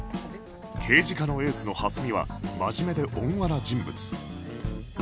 刑事課のエースの蓮見は真面目で温和な人物